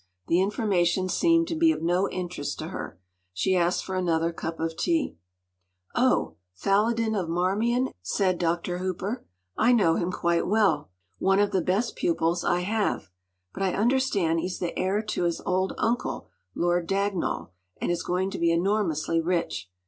The information seemed to be of no interest to her. She asked for another cup of tea. “Oh, Falloden of Marmion?” said Dr. Hooper. “I know him quite well. One of the best pupils I have. But I understand he’s the heir to his old uncle, Lord Dagnall, and is going to be enormously rich.